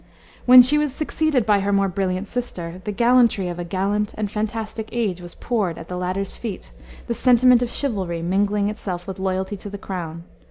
When she was succeeded by her more brilliant sister, the gallantry of a gallant and fantastic age was poured at the latter's feet, the sentiment of chivalry mingling itself with loyalty to the crown.